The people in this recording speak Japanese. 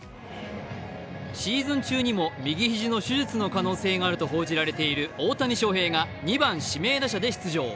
シーズン中にも右肘の手術の可能性があると報じられている２番・指名打者で出場。